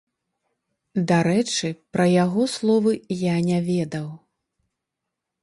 Дарэчы, пра яго словы я не ведаў.